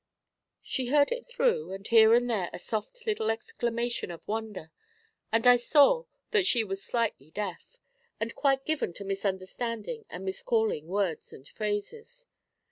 She heard it through, with here and there a soft little exclamation of wonder, and I saw that she was slightly deaf, and quite given to misunderstanding and miscalling words and phrases.